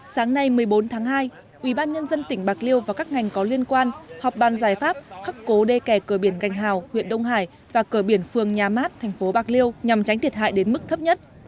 sáng nay một mươi bốn tháng hai ubnd tỉnh bạc liêu và các ngành có liên quan họp bàn giải pháp khắc cố đê kè cửa biển gành hào huyện đông hải và cửa biển phường nhà mát thành phố bạc liêu nhằm tránh thiệt hại đến mức thấp nhất